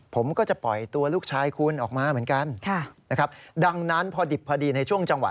ผมก็จะปล่อยตัวลูกชายคุณออกมาเหมือนกันนะครับดังนั้นพอดิบพอดีในช่วงจังหวะ